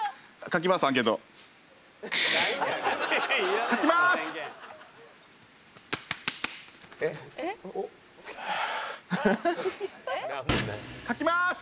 書きまーす！